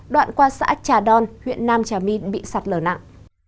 đoạn qua xã trà đòn huyện nam trà my bị sạt lở nặng